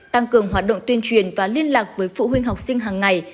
tăng cường hoạt động tuyên truyền và liên lạc với phụ huynh học sinh hàng ngày